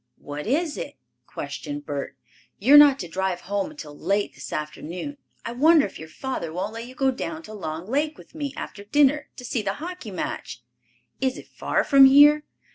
"What is it?" questioned Bert. "You are not to drive home until late this afternoon. I wonder if your father won't let you go down to Long Lake with me after dinner, to see the hockey match." "Is it far from here?"